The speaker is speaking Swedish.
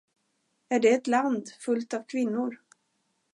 Är det ett land fullt av kvinnor?